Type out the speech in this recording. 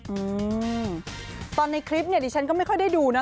อืมตอนในคลิปเนี่ยดิฉันก็ไม่ค่อยได้ดูนะ